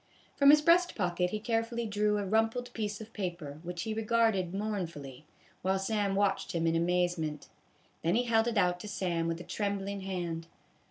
From his breast pocket he carefully drew a rumpled piece of paper, which he regarded mournfully, while Sam watched him in amazement. Then he held it out to Sam with a trembling hand.